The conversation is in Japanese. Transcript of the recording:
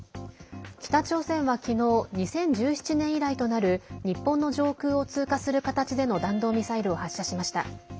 北朝鮮は昨日２０１７年以来となる日本の上空を通過する形での弾道ミサイルを発射しました。